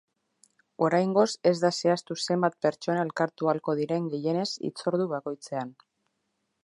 Oraingoz ez da zehaztu zenbat pertsona elkartu ahako diren gehienez hitzordu bakoitzean.